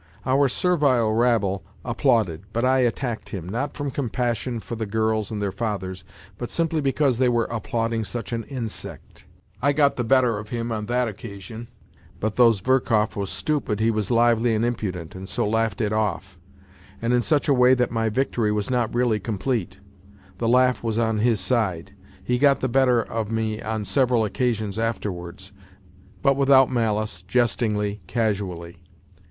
Our servile rabble applauded, but I attacked him, not from compassion for the girls and their fathers, but simply because they were applauding such an insect . I got the better of him on that occasion, but though Zverkov was stupid he was lively and impudent, and so laughed it off, and in such a way that my victory was not really complete : the laugh was on his side. He got the better of me on several occasions afterwards, but without malice, jestingly, casually.